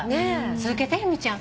続けて由美ちゃん。